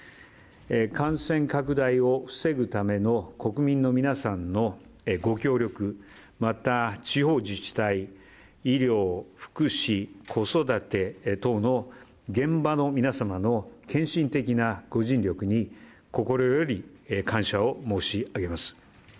感染拡大を防ぐための国民の皆さんのご協力、また地方自治体、医療、福祉、子育て等の現場の皆様の献身的なご尽力に心より感謝を申し上げます。